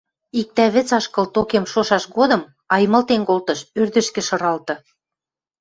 Иктӓ вӹц ашкыл токем шошаш годым аймылтен колтыш, ӧрдӹжкӹ шыралты.